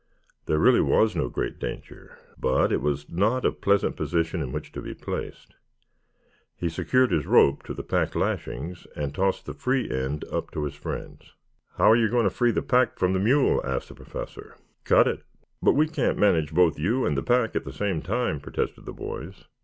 There really was no great danger, but it was not a pleasant position in which to be placed. He secured his rope to the pack lashings and tossed the free end up to his friends. "How are you going to free the pack from the mule?" asked the Professor. "Cut it." "But we can't manage both you and the pack at the same time," protested the boys.